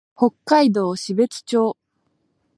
北海道標津町